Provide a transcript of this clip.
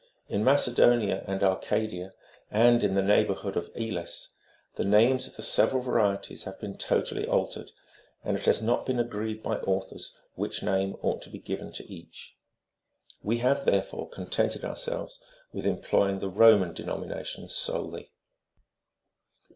In Macedonia and Arcadia, and in the neighbourhood of Elis, the names of the several varieties have been totally altered, and it has not been agreed by authors which name ought to be given to each : we have, therefore, contented ourselves with employing the Roman denominations solely.